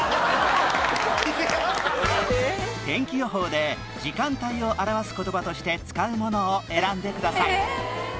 天気予報で時間帯を表す言葉として使うものを選んでください